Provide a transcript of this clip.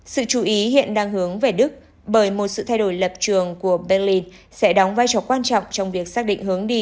sự chú ý hiện đang hướng về đức bởi một sự thay đổi lập trường của berlin sẽ đóng vai trò quan trọng trong việc xác định hướng đi